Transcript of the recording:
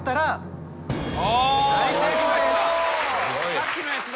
さっきのやつだ。